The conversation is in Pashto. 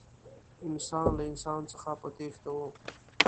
انسان له انسان څخه په تېښته و.